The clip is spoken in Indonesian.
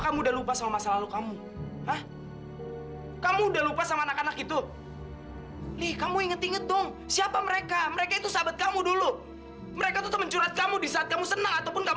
sampai jumpa di video selanjutnya